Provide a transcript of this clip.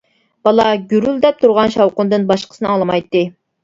بالا، گۈرۈلدەپ تۇرغان شاۋقۇندىن باشقىسىنى ئاڭلىمايتتى.